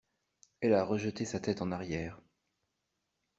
Elle a rejeté sa tête en arrière.